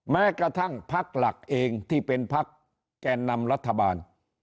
แม้กระทั่งพักหลักเองที่เป็นพักแก่นำรัฐบาล